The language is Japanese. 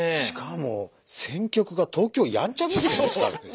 しかも選曲が「東京やんちゃ娘」ですから。